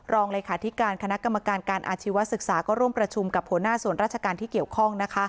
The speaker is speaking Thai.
รองเลขาธิการคณะกรรมการการอาชีวศึกษาก็ร่วมประชุมกับหัวหน้าส่วนราชการที่เกี่ยวข้อง